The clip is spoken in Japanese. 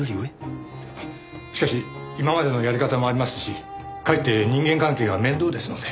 しかし今までのやり方もありますしかえって人間関係が面倒ですので。